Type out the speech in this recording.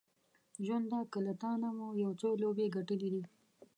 ژونده که له تانه مو یو څو لوبې ګټلې دي